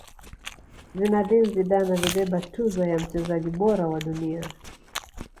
zinedine zidane alibeba tuzo ya mchezaji bora wa dunia